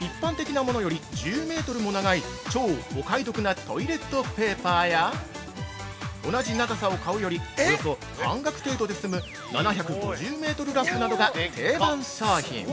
一般的なものより１０メートルも長い超お買い得なトイレットペーパーや同じ長さを買うよりおよそ半額程度で済む７５０メートルラップなどが定番商品。